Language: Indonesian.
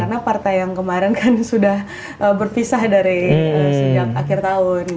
karena partai yang kemarin kan sudah berpisah dari sejak akhir tahun